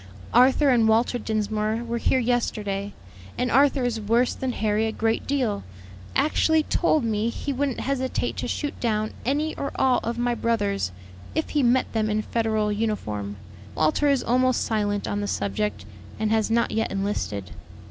"Arthur and Walter Dinsmore were here yesterday, and Arthur is worse than Harry a great deal; actually told me he wouldn't hesitate to shoot down any or all of my brothers, if he met them in Federal uniform. Walter is almost silent on the subject, and has not yet enlisted.